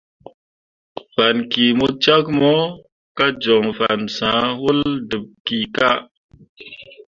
Fan ki mo cak mo ka joŋ fan sãh wol dǝb kika.